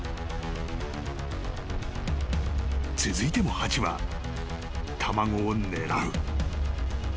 ［続いても蜂は卵を狙う］